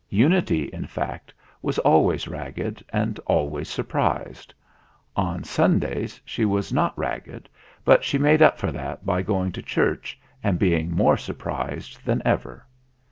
Unity, in fact, was always ragged and always surprised. On Sundays she was not ragged, but she made up for that by going to church and being more surprised than ever.